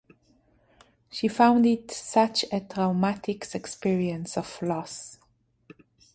She found it such a traumatic experience of loss.